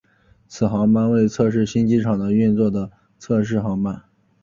此航班为测试新机场的运作的测试航班。